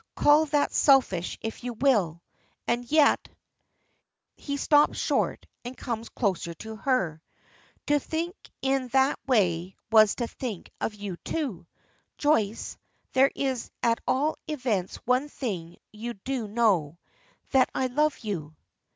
"Call that selfish if you will and yet " He stops short, and comes closer to her. "To think in that way was to think of you too. Joyce, there is at all events one thing you do know that I love you."